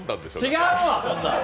違うわ、そんなん。